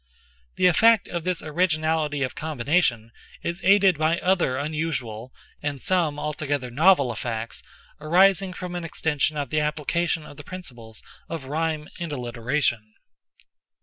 The effect of this originality of combination is aided by other unusual, and some altogether novel effects, arising from an extension of the application of the principles of rhyme and alliteration.